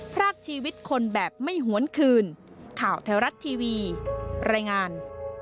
พรากชีวิตคนแบบไม่หวนคืนข่าวแถวรัฐทีวีรายงาน